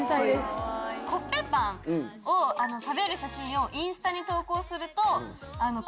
コッペパンを食べる写真をインスタに投稿すると。